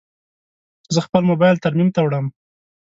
زه خپل موبایل ترمیم ته وړم.